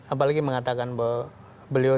apalagi mengatakan bahwa beliau